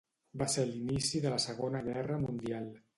Va ser a l'inici de la Segona Guerra Mundial.